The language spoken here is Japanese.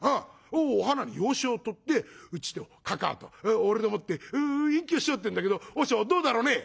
お花に養子をとってうちのかかあと俺でもって隠居しようっていうんだけど和尚どうだろうね？」。